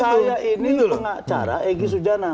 saya pengacara egy sujana